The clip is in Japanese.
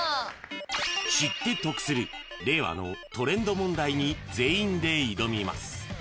［知って得する令和のトレンド問題に全員で挑みます］